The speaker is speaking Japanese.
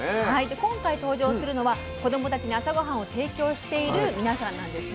で今回登場するのは子どもたちに朝ごはんを提供している皆さんなんです。